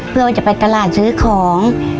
เพื่อว่าจะไปตลาดซื้อของ